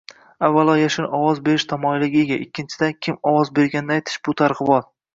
Avaalo yashirin ovoz berish tamoyiliga ega, ikkinchidan, kim ovoz berganini aytish - bu targ'ibot